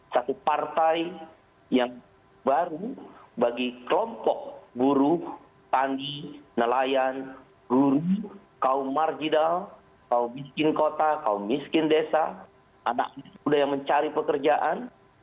satu partai yang baru bagi kelompok buruh tani nelayan guru kaum margidal kau bikin kota kaum miskin desa anak muda yang mencari pekerjaan